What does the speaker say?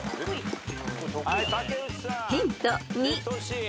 ［ヒント２］